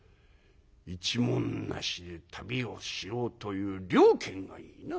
一文無しで旅をしようという了見がいいな。